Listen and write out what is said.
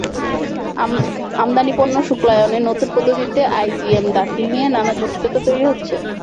আমদানি পণ্য শুল্কায়নে নতুন পদ্ধতিতে আইজিএম দাখিল নিয়ে নানা জটিলতা তৈরি হচ্ছে।